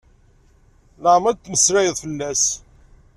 Laɛmeṛ i d-temmeslay fell-as.